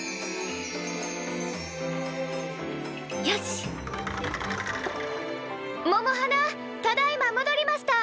よし！